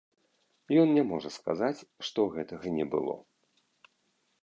Ён не можа сказаць, што гэтага не было.